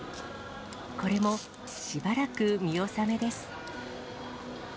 これもしばらく見納めです。